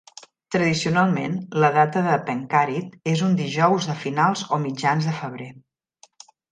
Tradicionalment, la data de "penkkarit" és un dijous de finals o mitjans de febrer.